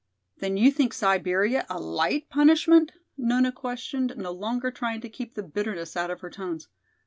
"Then you think Siberia a light punishment?" Nona questioned, no longer trying to keep the bitterness out of her tones.